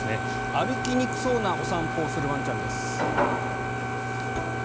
歩きにくそうなお散歩をするワンちゃんです。